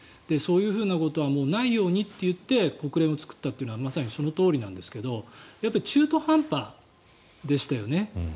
そういうことはもうないようにと言って国連を作ったというのはまさにそのとおりなんですがやっぱり中途半端でしたよね。